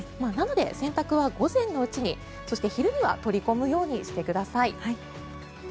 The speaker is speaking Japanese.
なので洗濯は午前のうちにそして昼には取り込むようにしてください。